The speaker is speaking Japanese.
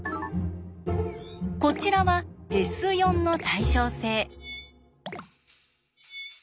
こちらは「Ｓ」の対称性。